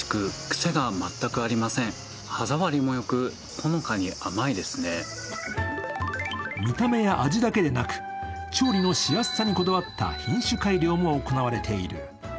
食べてみると見た目や味だけでなく、調理のしやすさにこだわった品種改良も行われている。